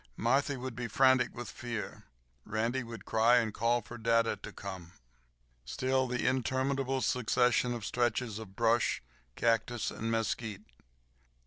Marthy would be frantic with fear. Randy would cry, and call for dada to come. Still the interminable succession of stretches of brush, cactus, and mesquite.